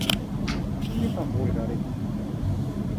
Μην ήταν Βούλγαροι;